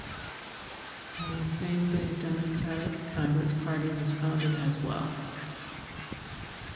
On the same day Democratic Congress Party was founded as well.